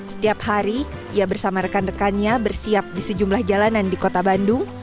setiap hari ia bersama rekan rekannya bersiap di sejumlah jalanan di kota bandung